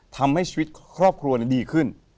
ทำให้ชีวิตครอบครัวดีขึ้น